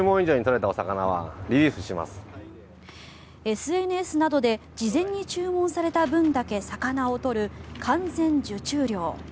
ＳＮＳなどで事前に注文された分だけ魚を取る完全受注魚。